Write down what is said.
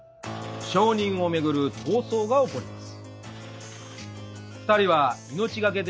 承認をめぐる闘争が起こります。